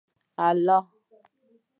الله